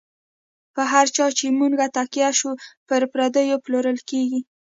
په هر چا چی مو نږ تکیه شو، پر پردیو پلورل کیږی